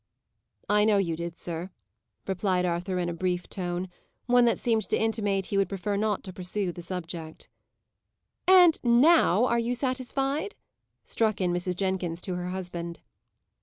"I know you did, sir," replied Arthur, in a brief tone one that seemed to intimate he would prefer not to pursue the subject. "And now are you satisfied?" struck in Mrs. Jenkins to her husband.